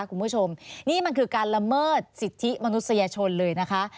คุณผู้ชมนี่มันคือการละเมิดสิทธิมนุษยชนเลยนะคะ